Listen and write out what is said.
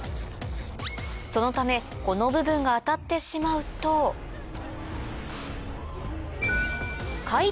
そのためこの部分が当たってしまうとなるほど。